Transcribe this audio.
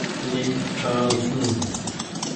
مينٚ کهارو ڇوٚنٚ